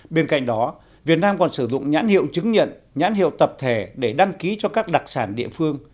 bên cạnh đó việt nam còn sử dụng nhãn hiệu chứng nhận nhãn hiệu tập thể để đăng ký cho các đặc sản địa phương